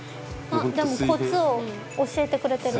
でもコツを教えてくれてる。